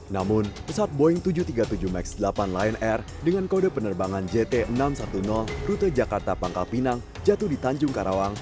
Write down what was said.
namun pesawat boeing tujuh ratus tiga puluh tujuh max delapan lion air dengan kode penerbangan jt enam ratus sepuluh rute jakarta pangkal pinang jatuh di tanjung karawang